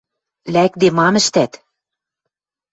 Лӓкде мам ӹштӓт?